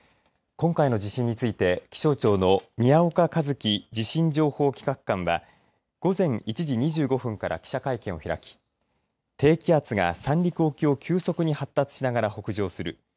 今回の地震について気象庁の地震情報企画官は午前１時２５分から記者会見を開き低気圧が三陸沖を急速に発達しながら北上する